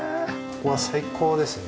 ここは最高ですよね。